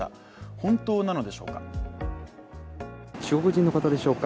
本当なのでしょうか。